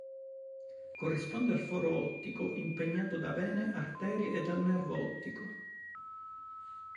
Corrisponde al foro ottico, impegnato da vene, arterie e dal nervo ottico.